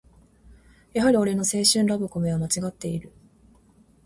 やはり俺の青春ラブコメはまちがっている